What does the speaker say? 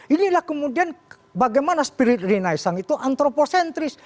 inilah kemudian bagaimana spirit renaissance itu antropocentris